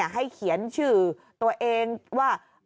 ให้เขียนชื่อตัวเองว่า